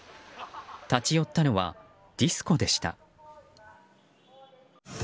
立ち寄ったのはディスコでした。